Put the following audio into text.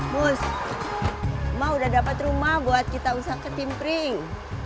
mus mah udah dapet rumah buat kita usah ke timpring